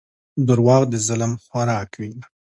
• دروغ د ظلم خوراک وي.